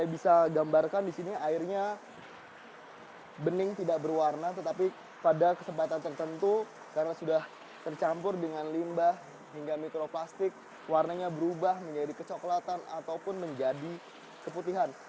bening tidak berwarna tetapi pada kesempatan tertentu karena sudah tercampur dengan limbah hingga mikroplastik warnanya berubah menjadi kecoklatan ataupun menjadi keputihan